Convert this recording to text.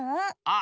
あ